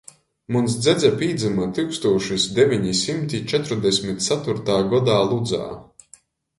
Muns dzedze pīdzyma tyukstūšys deveni symti četrudesmit catūrtā godā Ludzā.